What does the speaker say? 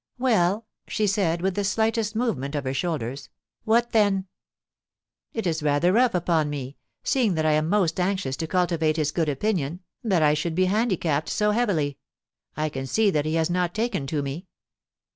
*Well,* she said, with the slightest movement of her shoulders, * what then ?* *It is rather rough upon me, seeing that I am most anxious to cultivate his good opinion, that I should be handicapped so heavily. I can see that he has not taken to me.'